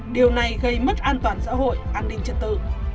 điều này gây mất an toàn xã hội an ninh trật tự